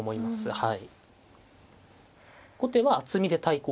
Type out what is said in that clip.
はい。